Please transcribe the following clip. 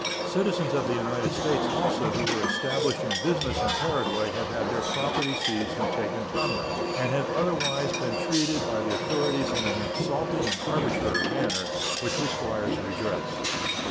Citizens of the United States also who were established in business in Paraguay have had their property seized and taken from them, and have otherwise been treated by the authorities in an insulting and arbitrary manner, which requires redress.